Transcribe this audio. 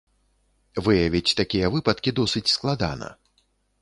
Выявіць такія выпадкі досыць складана.